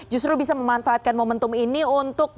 justru bisa memanfaatkan momentum ini untuk bisa menunjukkan